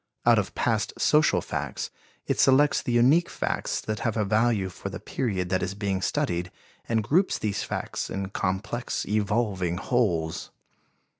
Out of past social facts it selects the unique facts that have a value for the period that is being studied and groups these facts in complex, evolving wholes.